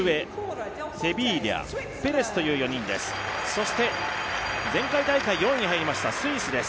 そして前回大会４位に入りましたスイスです。